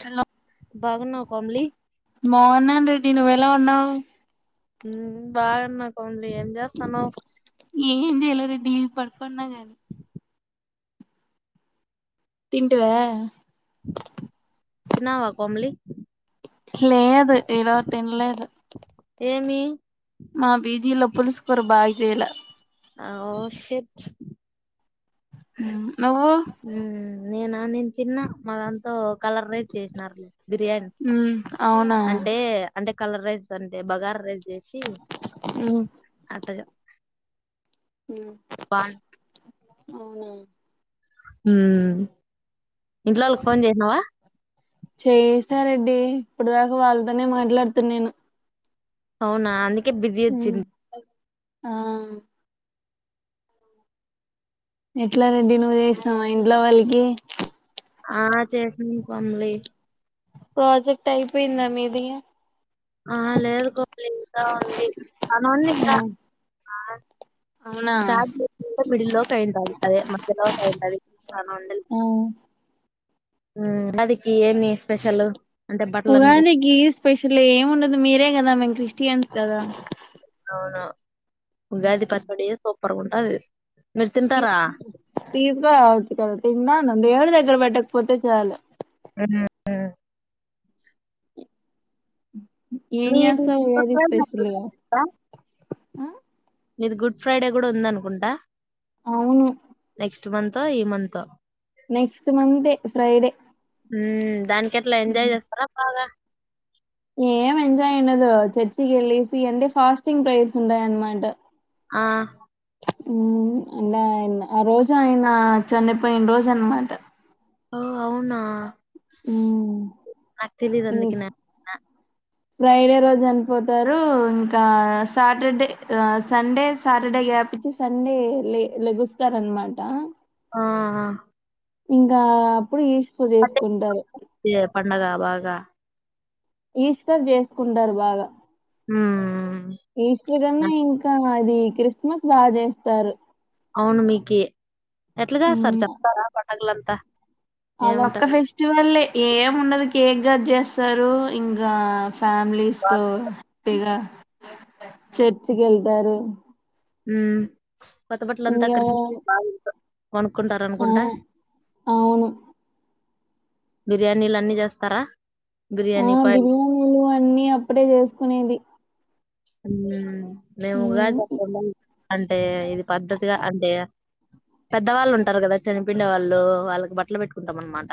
చలో బాగున్నావా కోమలి. బాగున్నాను రెడ్డి నువ్వెలా ఉన్నావ్ మ్ బాగున్న కోమ ఏం చేయలె రెడ్డి పడు పొన్నగాని తింటివా తిన్నావా కోమ్లీ లేదు ఈరోజు తినలేదు. మీ మా బీజీలో పులుసు కూర బాగా చెయ్యాలె అహో షేట్ నువ్వు నేనా నేను తిన్న మాదంతో కలర్ రైస్ చేసినారు లే బిర్యానీ మ్మ్ అవునా అంటే అంటే కలర్ రైస్ అంటే బగారా రైస్ చేసి మ్మ్ అంటా హ్మ్ బాగు అవునా హ్మ్ ఇంట్లో వాళ్ళకి ఫోన్ చేసినావా చేయిస్తా రెడ్డి ఇప్పుడుదాకా వాళ్ళతోనే మాట్లాడుతున్నా నేను అవునా అందుక అందుకే బిజీ వచ్చింది. ఆ ఎట్లా రెడ్డి నువ్వు చేసినావా ఇంట్లో వాళ్ళకి ఆ చేసింది కొమలి ప్రాజెక్ట్ అయిపోయిందా మీది ఆ లేదు కోమలి ఇంకా ఉంది. పని ఉంది ఇంకా ఆ అవునా స్టాక్ మిడి లోయ్ అదే [unintelligible] ఉంటది మరీ తాను ఉండలేదు ఆ అదికి ఏమి స్పెషల్ ఉగాదికి స్పెషల్ ఏమి ఉండదు. మీరే కదా మేమ్ క్రిస్టియన్స్ కదా అవునా ఉగాది పచ్చడి చేస్తాం సూపర్ గా ఉంటాది. తీసుకరావొచ్చు కదా తింటాను. దేవుని దగ్గర దేవుని దగ్గర పెట్టకపోతే చాలు ఆ ఏమ్ మీది చేస్తావ్ గుడ్ ఏంటి ఫ్రైడే స్పెషలు ఉందా? ఆ మీది గుడ్ ఫ్రైడే కూడా ఉంద అనుకుంటా అవును నెక్స్ట్ ఇస మంతా ఈ మంతా నెక్స్ట్ మండే ఫ్రైడే ఉ దానికి ఎట్లా ఎంజాయ్ చేస్తారా పాగా ఏం ఎంజాయ్ అయిదు చర్చికి వెళ్ళసి అంటే ఫాస్టింగ్ ప్రైస్ ఉంటయన్నమాట ఆ అంట ఆయ ఆ రోజు ఆయన చన్నపోయిన రోజు అన్నమాట ఓ అవునా నాకు తెలీదు అందుకి న ఫ్రైడే రోజు చనిపోతారు ఇంకా సాటర్డే సండే సాటర్డే గ్యాప్చ్చి సండే లెగుస్తారనమాట ఆ ఇం కా అప్పుడు ఈస్టర్ చేసుకుంటారు ప పండగ బగా ఈశ్వర్ చేసుకుంటారు బాగా హ్మ్. ఈశ్వరన్న హ్మ్. ఇంకా అది క్రిస్మస్ బాగా చేస్తారు అవును మీకు ఎట్లా చేస్తారు ఉమ్, చెప్తారా పడగలంతా కుత్త అదొక్క ఫెస్టివల్ ఏము ఉండదు కేక్ గట్ చేస్తారు ఇంకా ఫ్యామిలీస్ బా తో హ్యాపీగా చర్చికి వెళ్తారు హ కొత బట్లంతా ఇంకా కర్సి కొనుక్కుంటార ఆ, అనుకుంటా అవును బిర్యానీలు అన్నీ చేస్తారా ఆ బిర్యానీ పాయ్ బిర్యానీలు అన్ని అప్పుడే చేసుకునేది అ [unintelligible] మేముగాద హ్మ్ అంటే ఇది పద్ధతిగా అంటే పెద్దవాళ్ళు ఉంటారు కదా చనిపిండే వాళ్ళు వాళ్ళకి బట్టలు పెట్టుకుంటాం అనమాట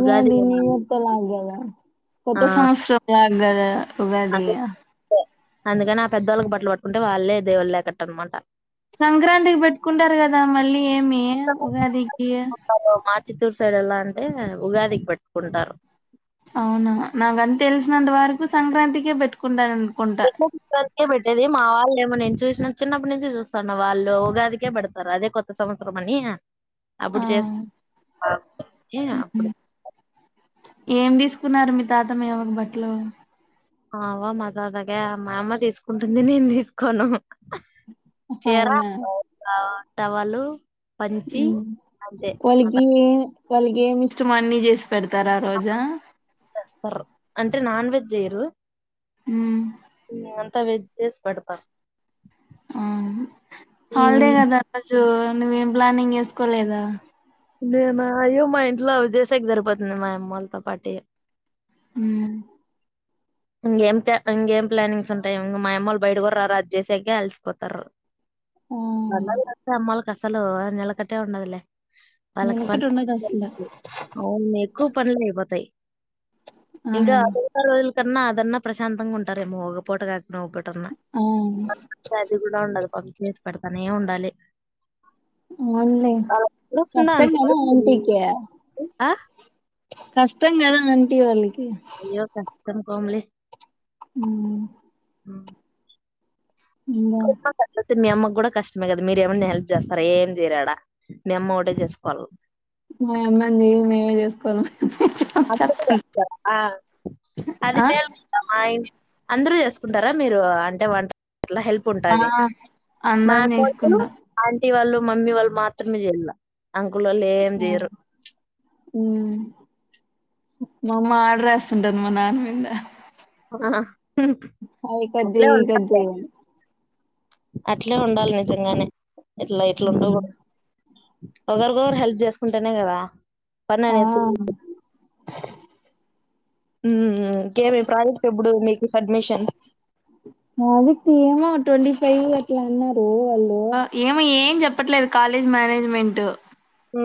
ఉగాది లాగగ కత్త ఆ సంస్ లా ఉగాది అదే అందుకని ఆ పెద్దవాళ్ళకి బట్టలు పట్టుకుంటే వాళ్ళే దేవళ లేకట్ట అనమాట సంక్రాంతికి పెట్టుకుంటారు కదా మళ్ళీ ఏమి ఉగాదికి మా చిత్తూరు సైడ్ ఎలా అంటే ఉగాదికి పట్టుకుంటారు అవునా నాకుని తెలిసినంత వరకు సంక్రాంతికే పెట్టుకుంటాను అనుకుంటా ఎకే పెట్టేది మా వాళ్ళ ఏమో నేను చేప్ చూసిన చిన్నప్పటి నుంచి చూస్తాను వాళ్ళు ఉగాదికే పడతారు అదే కొత్తవత్సరం అని ఆ అప్పుడు చేస్త అప్పుడు తాతంయవ బట్లు ఆవా మా తాతకే మా అమ్మ తీసుకుంటుంది నేను తీసుకోను చీరా ఓ నా టవలు పంచి అంతే కొల్గి వాళ్ళకి గేమ్ ఇష్టమో అన్ని చేసి పెడతారా ఆ రోజా టే నాన్ వెజ్ చేయరు హ్మ్ ఇయంత్ అంత వేజ్ చేసి పెడతాం ఆ హాలిడే కథ ఆ రోజు నువ్వేం ప్లానింగ్ చేసుకోలేదా నేను అయ్యో మా ఇంట్లో అవిజేసేక్ సరిపోతుంది మా అమ్మలతో పాటే ఉమ్ ఇంకేం ఇంకేం ప్లానింగ్స్ ఉంటాయి ఇంకా మా అమ్మ వాళ్లు బయట కూడా రారు ఆది చేశాకే అలిసిపోతారు ఆ నన్నాలు నా క్ అమ్మల్ కి అసలు నేలకట్టే ఉండదులే వాళ్ళకి నెలకట్ ఉండదు అసలా కు పనులు అయిపోతాయి ఆ ఇంకా అదే ఇంక రోజులు తిన్నా తిన్నా ప్రశాంతంగా ఉంటారేమో ఒక పోూట కా నో ఒకటన్నా ఆ అది కూడా ఉండదు పప్పు చేసి పెడతానే ఉండాలి అవున్లే వాళ్ళకి తెలుస్తుందా చప్తే కదా అంతవరకు ఆంటికి ఆ? కష్టం కదా ఆంటీ వాళ్ళకి అయ్యో కాచ్ తనుకోంలే ఉ ఆ కొ [unintelligible] అయితే మీ అమ్మకు కూడా కష్టమే కదా మీరేమన్నా హెల్ప్ చేస్తారా ఏం చేయరాడా మీ అమ్మ ఒకటే చేసుకోవాలి మాయే అమ్మ ని చేసుకోను అందరూ చేస్తారు హా అది ఆ మే [inaudible] మా ఇంట్లో అందరూచే చేసుకుంటారా మీరు అంటే వంట అట్లా హెల్ప్ ఆ ఉంటుంది మా అందరం కోడుకులు అం చేసుకుంటాం ఆంటీవాళ్ళు మమ్మీ వాళ్ళు మాత్రమే చేయలా అంకుల్ ఒళ్ళు ఏం ఆ చేయరు ఉమ్ మా అమ్మ ఆర్డర్ వేస్తుంటాది మా నాన్న మీద ఆ ఐ కట్ చేయి ఈ కట్ చెయ్యమని అట్లే ఉండాలి నిజంగానే ఇట్లా ఇట్లా ఉమ్ ఉండకూడదు ఒకరికొకరు హెల్ప్ చేసుకుంటానే కదా పని అనేది సులువుగా ఆ అవుతుంది ఊ ఇంకేమి ప్రాజెక్ట్ ఎప్పుడు మీకు సబ్మిషన్ ప్రాజెక్ట్ ఏమో ట్వంటీ ఫైవ్ అట్లా అన్నారు వాళ్ళు ఏమో ఏం చెప్పట్లేదు కాలేజ్ మేనేజ్మెంట్ హు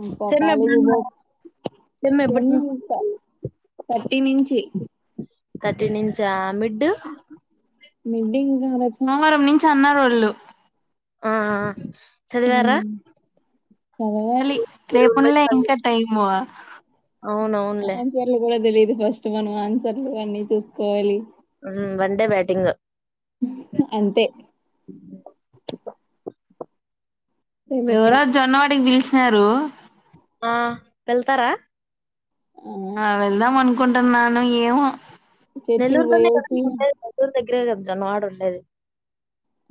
అబ్బా కాలేజీకి పో సెమ్ ఎప్పటి టెన్ నుంచి? అంట థర్టీ నుంచి థాట్టి నుంచి హా మిడ్డు మిడ్ ఇంకా రేపు సోమవారం నుంచి అన్నారు వాళ్ళు ఆ చదివారా చదవాలి మీరు రేపు ఉండలే వాళ్ళు? ఇంకా టైం ము అవునవునులే ఆన్సర్లు కూడా తెలియ ది ఫస్ట్ మనం ఆన్సర్లు అన్నీ చూసుకోవాలి వన్ డే బ్యాటింగ్ అంతే ఈమె ఓకే. ఎవరో జొన్నవాటికి పిలిసి సారు ఆ వెళ్తారా ఆ వెళ్దాం అనుకుంటున్నాను ఏమో చర్చికి నెల్లూరులోనే గదా వయసి ఉండేది నెల్లూరు దగ్గరే కద జొన్నవాడ ఉండేది.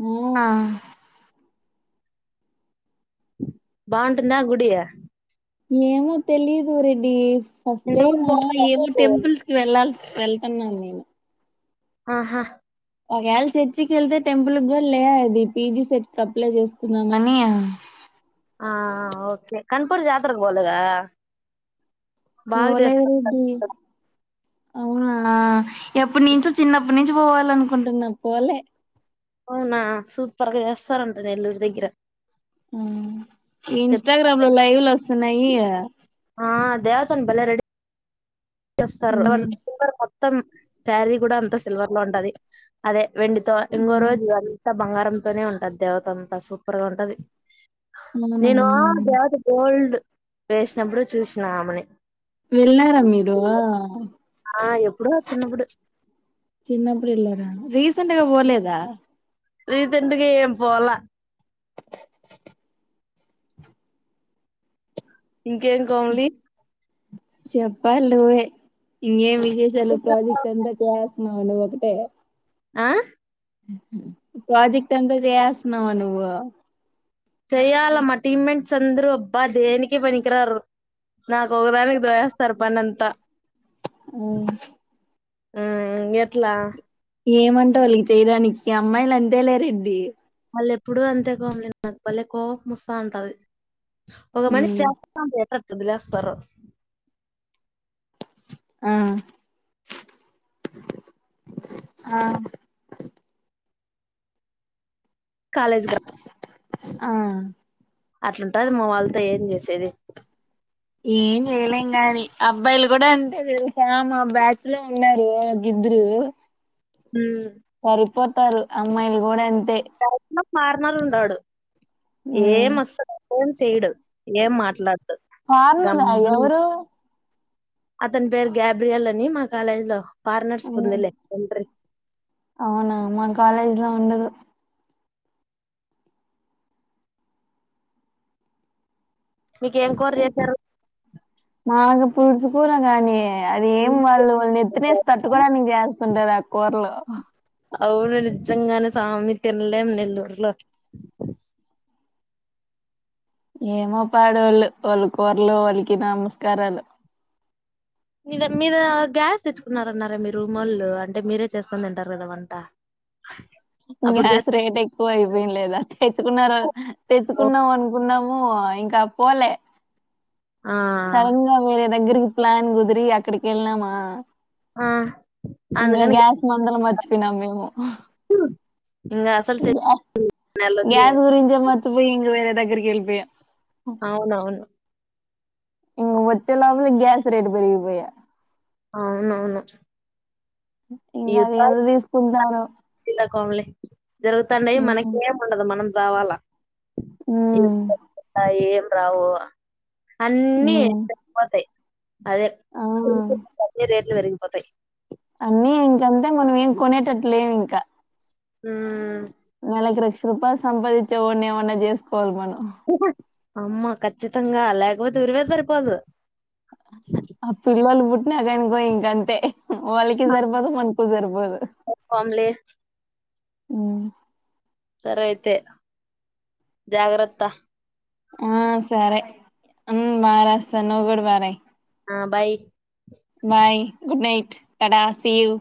ఉ బావుంటుందా గుడి. ఏమో తెలీదు రెడ్డి వస్తే ఇంతవరకు మా ఏమో పోలేదు టెంపుల్స్ కి వెళ్ళాలి వెళ్తున్నాను నేను ఆహా ఒకవేళ చర్చికి వెళ్తే టెంపుల్ లే అది పీజీ సెట్ అప్లై చేకున్నాం అని. ఆ ఓకే కన్పూర్ జాతరకు పోలేద మఓలేరి రెడీ అవునా ఎప్పుదినించ్చో చిన్నప్పటి నుంచి పోవాల అనుకుంటున్నా పోవలే. అవునా సూపర్గా చేస్తారంట నెలూరు దగ్గర. ఇంస్టాగ్రామ్ లో లైవ్ లో వస్తున్నాయి కదా ఆ దేవతం బల్ రెడి చేస్తారు వాలు మొత్తం శారీ కూడా అంత సిల్వర్ లో ఉంటది అదే. వెండితో ఇంగో అవునా రోజు ఇవ్వాలి అంత బంగారంతోనే ఉంటది దేవత అంతా సూపర్గా ఉంటది. అవునా, నేను దేవత గోల్డ్ వేసినప్పుడు చూసినా ఆమని. ఆ ఆ ఎప్పుడో చిన్నప్పుడు చిన్నప్పుడు ఎలారే రీస్ సెంట్ పోలేదా. రీసెంట్గా ఏం పోవాల ఇంకేం కోమలి చెప్పల పోవే ఇే చలో ప్రాజెక్ట్ అంతా క్స్ నను ఒకటే ఆ ప్రాజెక్ట్ అంత చేయాస్తున్నా నువు చెయాలమ్ మా టీమ్మేట్స్ అందరూ అబ్బా దేనికి పనికిరారు నాకు ఒకదానికి దోస్తారు పని అంతా. ఆ అ ఎట్లా ఏమంటా వాళ్ళికి చేయడానికి అమ్మాయిలు అంతే లే రెడ్డి వాళ్ళ ఎప్పుడూ అంతే కోమలి నాకు బళ్ళె కోపంముస్తా అంటది ఒక మనిషి ఉమ్, చేస్తా ఉంటే ఎట్లా తబిలాష్ సార్ ఆ ఆ కాలేజ్ కి ఆ అట్లాఉంటది మా వాళ్ళతో ఏం చేసేది ఏం చేయలేం గాని, అబ్బాయిలు కూడా అంతే తెలుసా మా బ్యాచ్ లో ఉన్నారు మా గిద్దరు మ్ సరిపోతారు అమ్మాయిలు కూడా [unintelligible] మారనాళండడు ఏ ఉమ్, మస్ ఫోన్ చేయడు ఏం మాట్లాడ్డు ఫార్మలా గంభీ ఎవరు అతని పేరు గ్యాబ్రియల్ అని మా కాలేజ్ లో ఫార్నర్స్ ఉమ్, కొందలే అవునా మా కాలేజ్ లో ఉండదు మీకేం కూర చేసారు కుడుచుకోరగాని అది ఏం వాళ్ళు వాళ్ళు ఎత్త్తినేసి తట్టుకోడానికి చేస్తుంటారు ఆ కూరలు అవును నిజంగానే సామి తినలేము నెల్లూరులో ఏమో పాడు వాళ్ళు వాళ్ళ కూరలు వాళ్ళకి నమస్కారాలు మీద మీద గ్యాస్ తెచ్చుకున్నారూ మీ రూంళ్ళు అంటే మీరే చేస్కొని దింటారు కదా వంట అప్పుడు గ్యాస్ రేట్ ఎక్కువ అయిపోయిన లేదా ఎత్తుకున్నారు చేస్కో తెచ్చుకున్నాం అనుకున్నాం ఊ ఇంకా పోలే ఆ సరన్ గా వేరే దగ్గరికి ప్లాన్ కుదిరి అక్కడికి వెళ్ళనామా ఆ ఇంకా అందుకని గ్యాస్ మందలం మరిచిపోయినాం మేము ఇంగ అసలు తె గ నెలుంది ఇంగ గ్యాస్ గురించ మరి హింగ్ వేర దగ్గరికి వెళ్పి అవునవును ఇంగ వచ్చలోపోలా గ్యాస్ రేట్ పెరిగిపోయా అనఅవును ఇంగ అది ఎంత తీసుకుంటారో కంలే జరుగుతండయి మనకేం ఉండదు మనం రవాాల మ్ ఏం రావు అన్నీ సరిపోతాయి అదే ఆ! ట్లు పెరిగిపోతయి అన్నీ ఇంకంతే మనం ఏం కొనేటట్టులేవ్ ఇంకా హు నెలకు లక్ష రూపాయలు సంపాదించే వాన్ని ఏవన్నా చేసుకోవాలి మనం హ అమ్మ ఖచ్చితంగా లేకపోతే ఉరివే సరిపోదు. ఆ పిల్లలు పుట్ ట్టిన గన్కొ ఇంగంతే వాళ్ళకి సరిపోదు మన్ కుసరిపో పంలే హు సరే అయితే జాగ్రత్త. ఆ సరే ఉ బా రాస్తా నువ్వు కూడా బా రై ఆ bye bye good night. Tata see you.